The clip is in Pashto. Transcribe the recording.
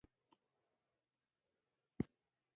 پامیر د افغان کلتور په داستانونو کې راځي.